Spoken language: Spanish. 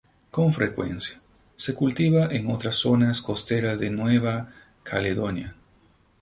Con frecuencia se cultiva en otras zonas costeras de Nueva Caledonia.